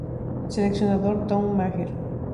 Seleccionador: Tom Maher